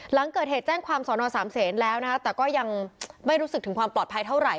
หลังเกิดเหตุแจ้งความสอนอสามเศษแล้วนะคะแต่ก็ยังไม่รู้สึกถึงความปลอดภัยเท่าไหร